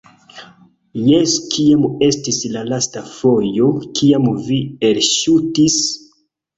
- Jes kiam estis la lasta fojo kiam vi elŝutis?